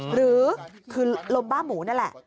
หรือคือลมบ้าหมูนั่นแหละ